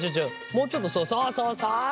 もうちょっとそうそうそうそう。